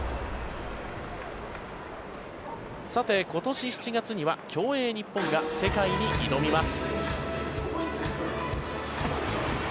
さて、今年７月には競泳日本が世界に挑みます。